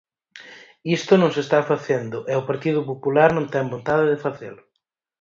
Isto non se está facendo, e o Partido Popular non ten vontade de facelo.